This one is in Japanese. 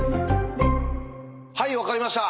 はい分かりました。